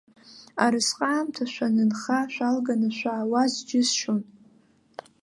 Арысҟаамҭа шәанынха шәалганы шәаауаз џьысшьон.